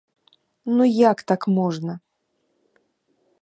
Ну як так можна?